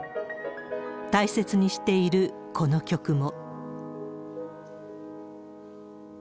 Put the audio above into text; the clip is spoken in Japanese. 大切にしているこの曲も。